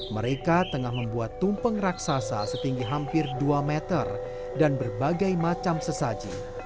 mereka tengah membuat tumpeng raksasa setinggi hampir dua meter dan berbagai macam sesaji